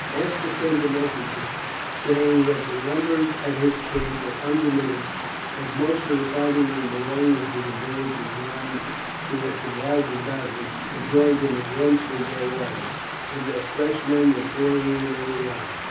Aska sent a message saying that the numbers at his camp were undiminished, as most of the fighting men belonging to the villages round who had survived the battle had joined him at once with their wives, and that fresh men were pouring in every hour.